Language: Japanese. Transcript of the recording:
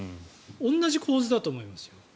同じ構図だと思います。